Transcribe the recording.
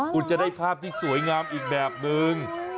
คุณจะได้ภาพที่สวยงามอีกแบบนึง